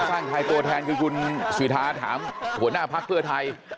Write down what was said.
สร้างไทยตัวแทนคือคุณสิทาถามหัวหน้าพักเพื่อไทย